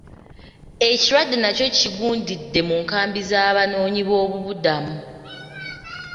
Ekirwadde nakyo kigundidde mu nkambi z'Abanoonyiboobubudamu.